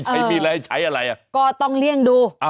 ใช้มีอะไรใช้อะไรอ่ะก็ต้องเลี่ยงดูอ่ะ